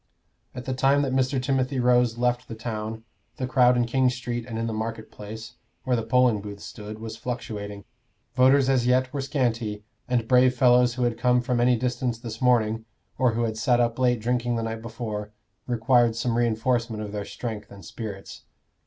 At the time that Mr. Timothy Rose left the town, the crowd in King Street and in the market place, where the polling booths stood, was fluctuating. Voters as yet were scanty, and brave fellows who had come from any distance this morning, or who had sat up late drinking the night before, required some reinforcement of their strength and spirits.